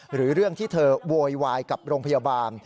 หรือเรื่องที่เธอโวยวายกับโรงพยาบาล